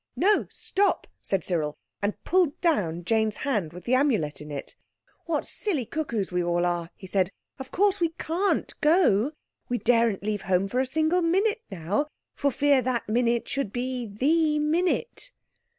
"No, stop!" said Cyril, and pulled down Jane's hand with the Amulet in it. "What silly cuckoos we all are," he said. "Of course we can't go. We daren't leave home for a single minute now, for fear that minute should be the minute."